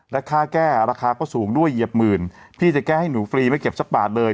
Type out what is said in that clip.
และค่าแก้ราคาก็สูงด้วยเหยียบหมื่นพี่จะแก้ให้หนูฟรีไม่เก็บสักบาทเลย